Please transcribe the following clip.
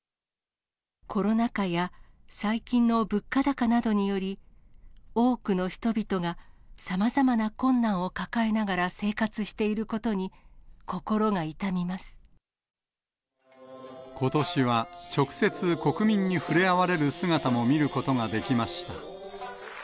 コロナ禍や最近の物価高などにより、多くの人々がさまざまな困難を抱えながら生活していることに、ことしは直接、国民に触れ合われる姿も見ることができました。